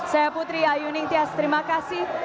saya putri ayu ningtyas terima kasih